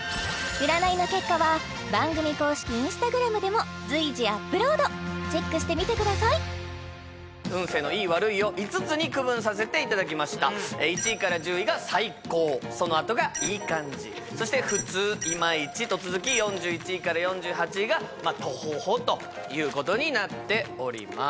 その順位を随時アップロードチェックしてみてください運勢のいい悪いを５つに区分させていただきました１位から１０位が最高そのあとがいい感じそしてふつうイマイチと続き４１位から４８位がトホホということになっております